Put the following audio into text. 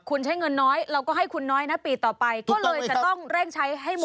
คุณใช้เงินน้อยเราก็ให้คุณน้อยนะปีต่อไปก็เลยจะต้องเร่งใช้ให้หมด